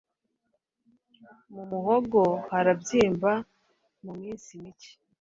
mu muhogo harabyimba, mu minsi mike